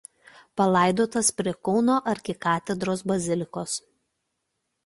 Palaidotas prie Kauno arkikatedros bazilikos.